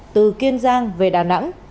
từ kiên giang về đà nẵng